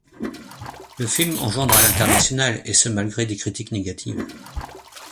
Le film engendre à l'international et ce, malgré des critiques négatives.